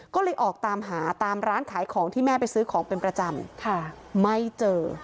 ก็เลยออกตามหาตามร้านขายของที่แม่ไปซื้อของเป็นประจำไม่เจอ